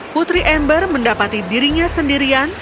putri ember mendapati dirinya sendirian